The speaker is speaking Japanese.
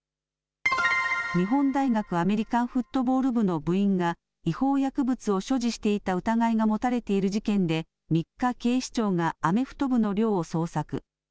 日本大学アメリカンフットボール部の部員が違法薬物を所持していた疑いが持たれている事件で３日、警視庁がアメフト部の寮を捜索。